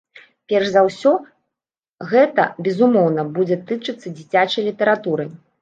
Перш за ўсё гэта, безумоўна, будзе тычыцца дзіцячай літаратуры.